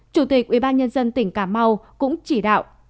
chủ tịch ubnd tỉnh cà mau cũng chỉ đạo